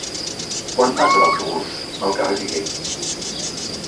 Quan passa l'autobús pel carrer Piquer?